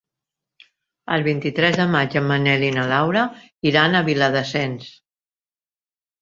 El vint-i-tres de maig en Manel i na Laura iran a Viladasens.